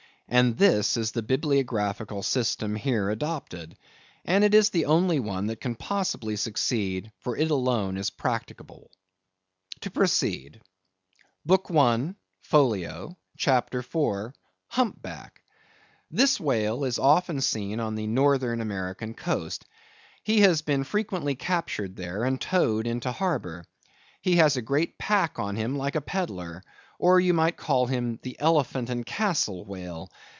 And this is the Bibliographical system here adopted; and it is the only one that can possibly succeed, for it alone is practicable. To proceed. BOOK I. (Folio) CHAPTER IV. (Hump Back).—This whale is often seen on the northern American coast. He has been frequently captured there, and towed into harbor. He has a great pack on him like a peddler; or you might call him the Elephant and Castle whale.